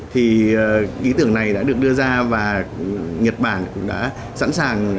thì ý tưởng này đã được đưa ra và nhật bản cũng đã sẵn sàng